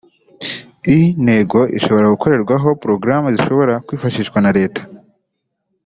E-ntego ishobora gukorerwaho porogaramu zishobora kwifashishwa na Leta